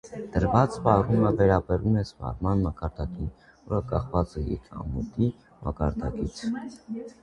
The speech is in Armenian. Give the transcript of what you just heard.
Դրդված սպառումը վերաբերում է սպառման մակարդակին, որը կախված է եկամտի մակարդակից։